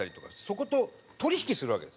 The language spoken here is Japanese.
そこと取引するわけです。